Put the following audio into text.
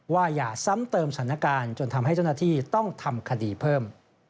อย่าซ้ำเติมสถานการณ์จนทำให้เจ้าหน้าที่ต้องทำคดีเพิ่ม